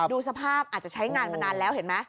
ดูสภาพอาจจะใช้งานมานานแล้วเห็นไหม